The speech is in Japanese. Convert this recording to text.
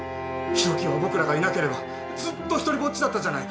博喜は僕らがいなければずっと独りぼっちだったじゃないか。